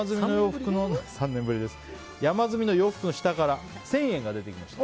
すると、山積みの洋服の下から１０００円が出てきました。